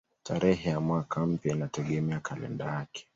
Tarehe ya mwaka mpya inategemea kalenda yake.